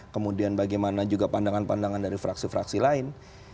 kemudian bagaimana juga pandangan pandangan dari fraksi fraksi lain